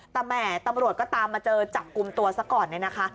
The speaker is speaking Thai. แต่แหม่ตำรวจก็ตามมาเจอจับกลุ่มตัวซะก่อนเนี่ยนะคะ